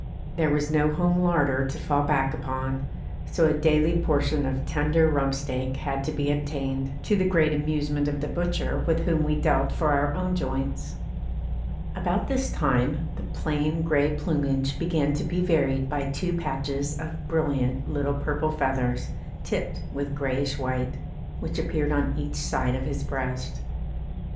There was no home larder to fall back upon, so a daily portion of tender rump steak had to be obtained, to the great amusement of the butcher with whom we dealt for our own joints. About this time the plain grey plumage began to be varied by two patches of brilliant little purple feathers, tipped with greyish white, which appeared on each side of his breast.